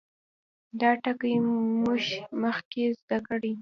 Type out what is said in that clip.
دا ټګي موږ مخکې زده کړې.